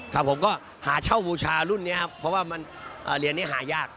ครับผมก็หาเช่าบูชารุ่นนี้ครับเพราะว่ามันเหรียญนี้หายาก